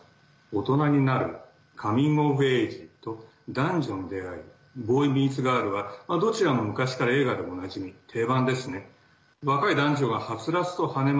大人になるカミング・オブ・エイジと男女の出会いボーイ・ミーツ・ガールはどちらも昔から映画でおなじみ定番ですね。